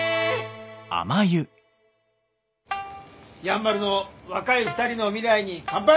やんばるの若い２人の未来に乾杯！